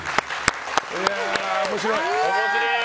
面白い！